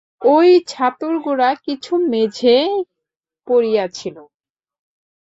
ঐ ছাতুর গুঁড়া কিছু মেঝেয় পড়িয়াছিল।